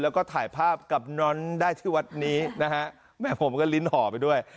แล้วก็ถ่ายภาพกับน้อนได้ที่วัดนี้นะฮะแม่ผมก็ลิ้นห่อไปด้วย